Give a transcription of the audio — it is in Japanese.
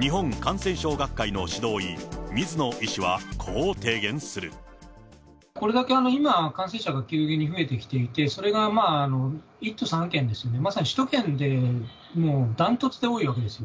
日本感染症学会の指導医、これだけ今、感染者が急激に増えてきていて、それが１都３県ですね、まさに首都圏でもう、だんとつで多いわけですよ。